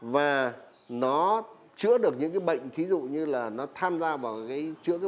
và nó chữa được những cái bệnh thí dụ như là nó tham gia vào cái